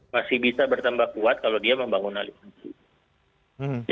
masih bisa bertambah kuat kalau dia membangun aliransi